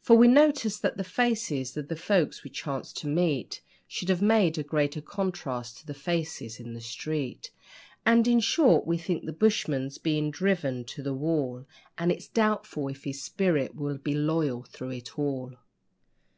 For we noticed that the faces of the folks we chanced to meet Should have made a greater contrast to the faces in the street; And, in short, we think the bushman's being driven to the wall, And it's doubtful if his spirit will be 'loyal thro' it all'.